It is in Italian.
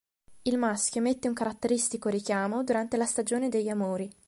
Il maschio emette un caratteristico richiamo durante la stagione degli amori.